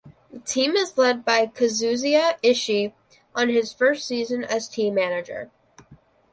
The team is led by Kazuhisa Ishii on his first season as team manager.